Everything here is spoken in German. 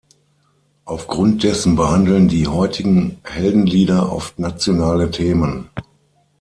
Aufgrund dessen behandeln die heutigen Heldenlieder oft nationale Themen.